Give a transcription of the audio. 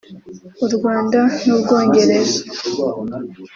u Rwanda n’u Bwongereza